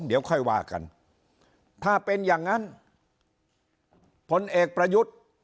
เดี๋ยวค่อยว่ากันถ้าเป็นอย่างนั้นพลเอกประยุทธ์